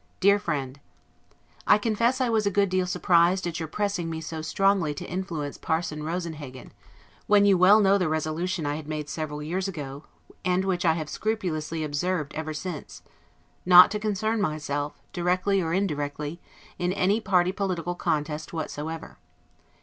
DEAR FRIEND: I confess I was a good deal surprised at your pressing me so strongly to influence Parson Rosenhagen, when you well know the resolution I had made several years ago, and which I have scrupulously observed ever since, not to concern myself, directly or indirectly, in any party political contest whatsoever.